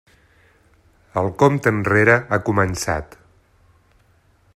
El compte enrere ha començat.